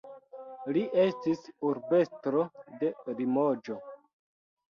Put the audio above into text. Li estis urbestro de Limoĝo.